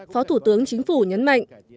phó thủ tướng chính phủ nhấn mạnh